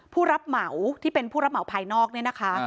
ผู้รับเหมาที่เป็นผู้รับเหมาภายนอกเนี่ยนะคะ